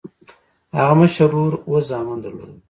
هغه مشر ورور اووه زامن درلودل.